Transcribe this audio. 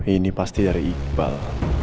ini pasti dari iqbal